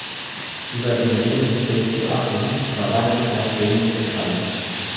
Über den Lebensweg Joachims war lange Zeit wenig bekannt.